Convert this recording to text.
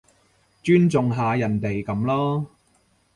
尊重下人哋噉囉